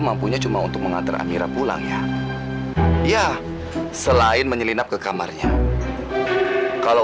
mampunya cuma untuk mengantar amira pulang ya ya selain menyelinap ke kamarnya kalau